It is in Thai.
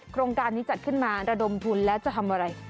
โครงการนี้จัดขึ้นมาระดมทุนแล้วจะทำอะไร